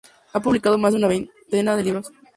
Ha publicado más de una veintena de libros.